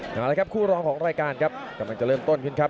เข้าเรื่องของรายการครับกำลังจะเริ่มต้นขึ้นครับ